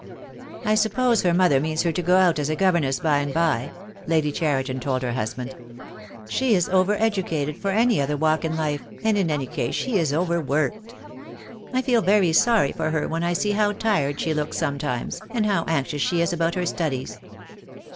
"I suppose her mother means her to go out as a 246 THE DAY WILL COME. governess by and by," Lady Cheriton told her husband. "She is over educated for any other walk in life, and in any case she is over worked. I feel very sorry for her when I see how tired she looks sometimes, and how anxious she is about her studies.